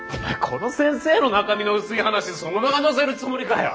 この先生の中身の薄い話そのまま載せるつもりかよ。